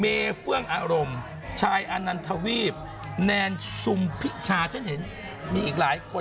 เฟื่องอารมณ์ชายอนันทวีปแนนซุมพิชาฉันเห็นมีอีกหลายคน